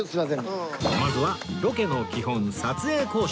まずはロケの基本撮影交渉